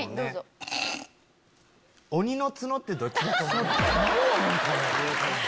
鬼の角ってどっちだと思います？